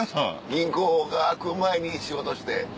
銀行が開く前に仕事して。